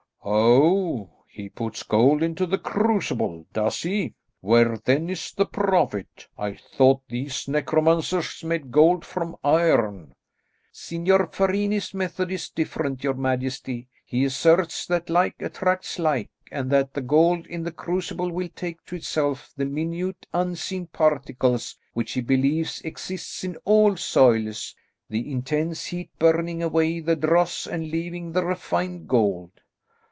"Oh, he puts gold into the crucible, does he? Where then is the profit? I thought these necromancers made gold from iron." "Signor Farini's method is different, your majesty. He asserts that like attracts like, and that the gold in the crucible will take to itself the minute unseen particles which he believes exists in all soils; the intense heat burning away the dross and leaving the refined gold."